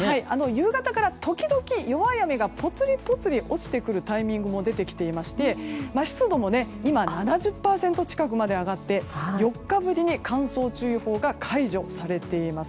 夕方から時々、弱い雨がぽつりぽつり落ちてくるタイミングも出てきていまして湿度も今、７０％近くまで上がって４日ぶりに乾燥注意報が解除されています。